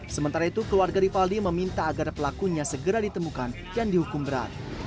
sementara itu keluarga rivaldi meminta agar pelakunya segera ditemukan dan dihukum berat